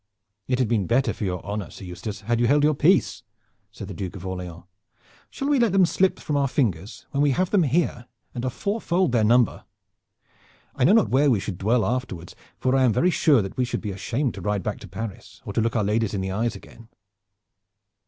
"It had been better for your honor, Sir Eustace, had you held your peace," said the Duke of Orleans. "Shall we let them slip from our fingers when we have them here and are fourfold their number? I know not where we should dwell afterwards, for I am very sure that we should be ashamed to ride back to Paris, or to look our ladies in the eyes again."